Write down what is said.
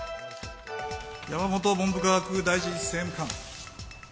山本文部科学大臣政務官。